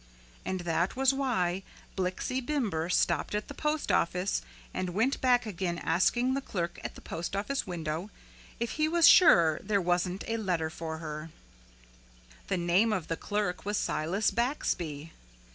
And that was why Blixie Bimber stopped at the postoffice and went back again asking the clerk at the postoffice window if he was sure there wasn't a letter for her. The name of the clerk was Silas Baxby.